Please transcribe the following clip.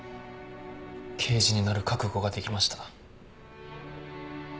刑事になる覚悟ができました。